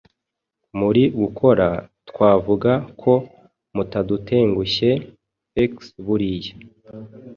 Muri gukora, twavuga ko mutadutengushye x buriya.